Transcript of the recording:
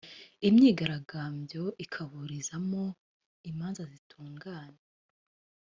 imyigaragambyo ikaburizamo imanza z’intungane.